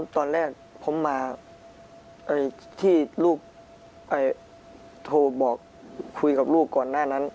ตอนแรกผมมาที่ลูกโทรบอกคุยกับลูกก่อนหน้านั้น